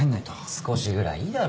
少しぐらいいいだろ。